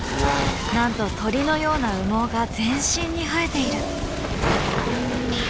なんと鳥のような羽毛が全身に生えている。